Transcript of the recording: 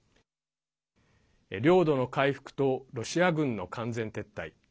領土の回復とロシア軍の完全撤退。